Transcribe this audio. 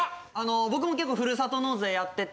僕も結構ふるさと納税やってて。